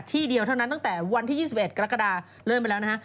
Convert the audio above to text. เดียวเท่านั้นตั้งแต่วันที่๒๑กรกฎาเริ่มไปแล้วนะฮะ